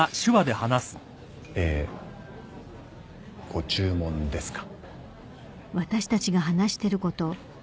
えご注文ですか？